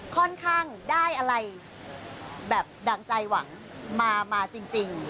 ค่อนข้างได้อะไรแบบดั่งใจหวังมาจริง